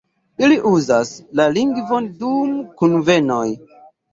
Ili uzas la lingvon dum kunvenoj.